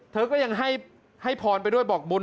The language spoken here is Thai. เธอก็ยังให้พรไปด้วยบอกบุญ